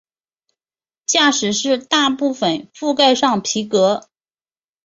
驾驶室大部份覆盖上皮革。